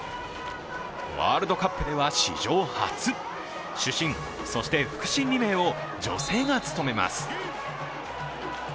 ワールドカップでは史上初主審、そして副審２名を女性が務めます。